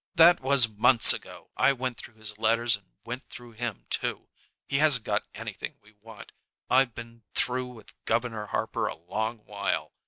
"That was months ago. I went through his letters and went through him, too. He hasn't got anything we want. I've been through with Governor Harper a long while.